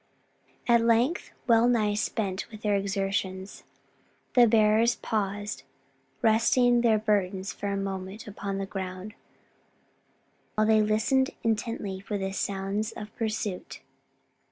At length, well nigh spent with their exertions, the bearers paused, resting their burdens for a moment upon the ground, while they listened intently for the sounds of pursuit.